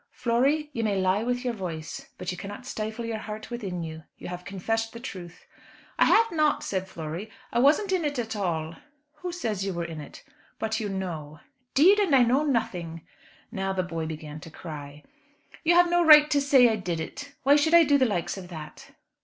"Flory, you may lie with your voice, but you cannot stifle your heart within you. You have confessed the truth." "I have not," said Flory; "I wasn't in it at all." "Who says that you were in it? But you know." "'Deed and I know nothin'." Now the boy began to cry. "You have no right to say I did it. Why should I do the likes of that?"